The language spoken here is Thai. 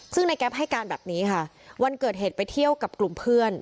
ซึ่งนายแก๊ปให้การแบบนี้ค่ะวันเกิดเหตุไปเที่ยวกับกลุ่มเพื่อน